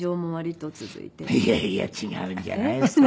いやいや違うんじゃないですか？